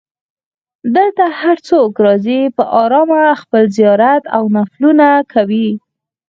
دلته هر څوک راځي په ارامه خپل زیارت او نفلونه کوي.